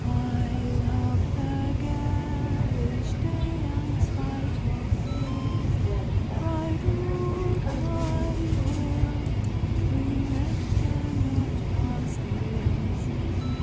I loved the garish day, and, spite of fears, Pride ruled my will, remember not past years.